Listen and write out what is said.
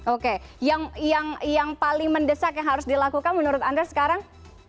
oke yang paling mendesak yang harus dilakukan menurut anda sekarang